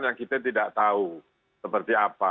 yang kita tidak tahu seperti apa